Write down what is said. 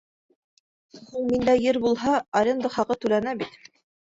— Һуң миндә ер булһа, аренда хаҡы түләнә бит.